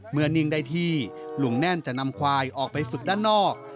นิ่งได้ที่ลุงแน่นจะนำควายออกไปฝึกด้านนอก